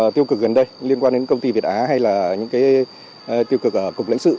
tiêu cực gần đây liên quan đến công ty việt á hay là những cái tiêu cực ở cục lãnh sự